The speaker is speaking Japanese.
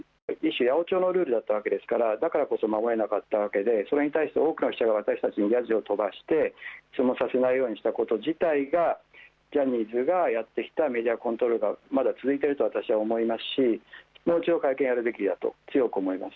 八百長のルールだったわけですからだからこそ守られなかったわけで多くの記者が私たちにやじを飛ばして質問させないようにしたこと自体が、ジャニーズがやってきたメディアコントロールがまだ続いていると思いますしもう一度会見をやるべきだと強く思います。